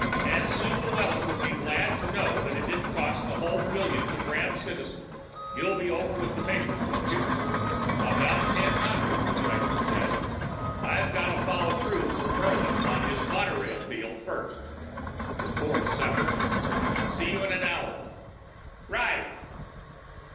And Sue Llewellyn will be glad to know it didn't cost the whole billion to grab Citizen. You'll be over with the papers, won't you?" "About 1000," the slyster said. "I've gotta follow through for Murlin on his monorail deal first. The poor sucker! See you in an hour." "Right."